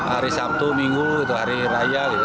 hari sabtu minggu itu hari raya gitu